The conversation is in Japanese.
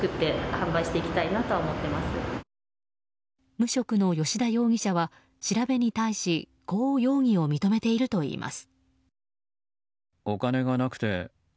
無職の吉田容疑者は調べに対しこう容疑を認めているといいます。